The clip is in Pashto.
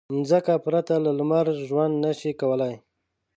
مځکه پرته له لمر ژوند نه شي کولی.